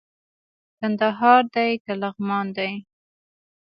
کندهار دئ که لغمان دئ